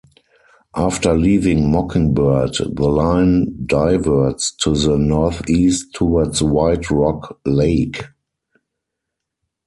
After leaving Mockingbird, the line diverts to the northeast towards White Rock Lake.